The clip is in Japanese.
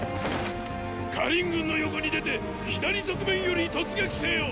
燐軍の横に出て左側面より突撃せよ！